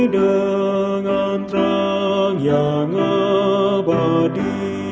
dengan terang yang abadi